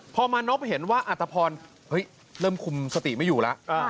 พอมานพเห็นว่าอัตภพรเริ่มคุมสติไม่อยู่แล้ว